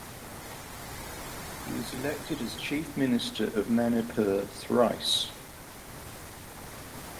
He was elected as Chief Minister of Manipur thrice.